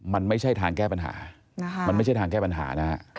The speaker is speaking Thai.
มันไม่ใช่ทางแก้ปัญหา